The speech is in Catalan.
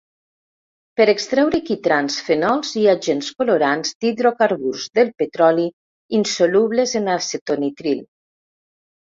Per extreure quitrans, fenols i agents colorants d'hidrocarburs del petroli insolubles en acetonitril.